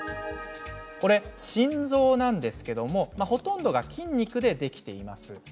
これ、心臓なんですけれどもほとんどが筋肉でできています。